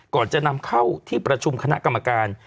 ก่อนจะนำเข้าที่ประชุมคณะกรรมการ